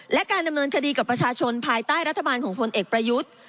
และการดำเนินคดีกับประชาชนภายใต้รัฐบาลของพลเอกประยุทธ์